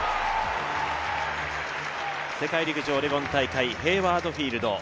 世界陸上オレゴン大会ヘイワード・フィールド。